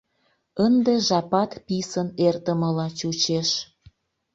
Ынде жапат писын эртымыла чучеш.